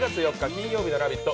金曜日の「ラヴィット！」